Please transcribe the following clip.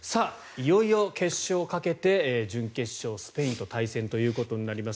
いよいよ決勝をかけて準決勝、スペインと対戦ということになります。